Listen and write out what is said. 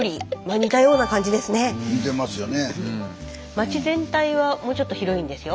町全体はもうちょっと広いんですよ。